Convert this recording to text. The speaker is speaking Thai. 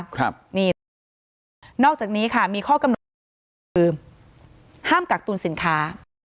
ครับนี่นอกจากนี้ค่ะมีข้อกำหนดคือห้ามกักตุนสินค้า